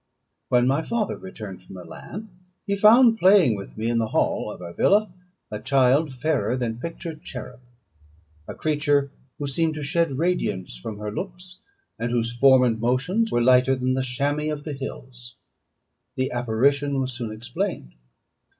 When my father returned from Milan, he found playing with me in the hall of our villa, a child fairer than pictured cherub a creature who seemed to shed radiance from her looks, and whose form and motions were lighter than the chamois of the hills. The apparition was soon explained.